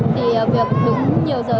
thì việc đứng nhiều giờ